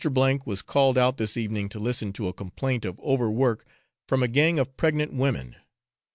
was called out this evening to listen to a complaint of over work, from a gang of pregnant women.